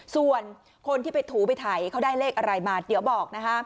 ส่วนคนที่ไปถูไปไถเขาได้เลขอะไรมาเดี๋ยวบอกนะคะ